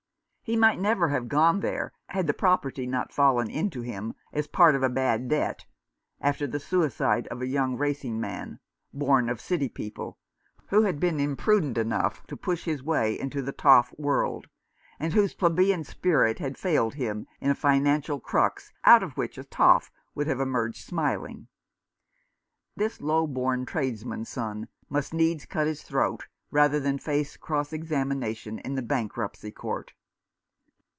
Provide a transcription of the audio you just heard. He might never have gone there had the property not fallen in to him, as part of a bad debt, after the suicide of a young racing man — born of city people — who had been im prudent enough to push his way into the toff world, and whose plebeian spirit had failed him in a financial crux out of which a toff would have emerged smiling. This low born trades man's son must needs cut his throat, rather than face cross examination in the Bankruptcy Court.